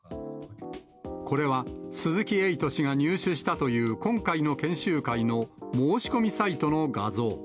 これは鈴木エイト氏が入手したという今回の研修会の申し込みサイトの画像。